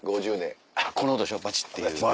あっこの音でしょバチっていう。